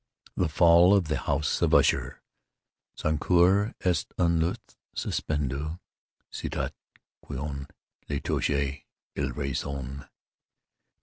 THE FALL OF THE HOUSE OF USHER Son cœur est un luth suspendu; Sitôt qu'on le touche il résonne..